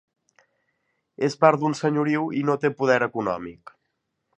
És part d'un senyoriu i no té poder econòmic.